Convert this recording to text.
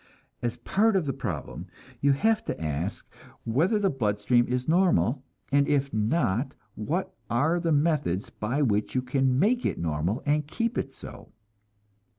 As part of the problem, you have to ask whether your blood stream is normal, and if not, what are the methods by which you can make it normal and keep it so?